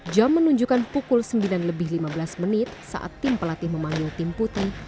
jam menunjukkan pukul sembilan lebih lima belas menit saat tim pelatih memanggil tim putih